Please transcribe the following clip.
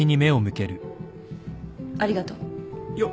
ありがとう。いや。